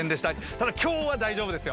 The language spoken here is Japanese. ただ、今日は大丈夫ですよ。